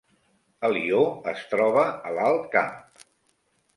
Alió es troba a l’Alt Camp